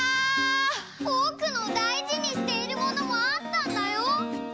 ぼくのだいじにしているものもあったんだよ！